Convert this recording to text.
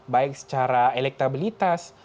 baik secara elektabilitas